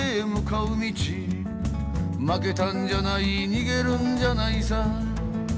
「負けたんじゃない逃げるんじゃないさ」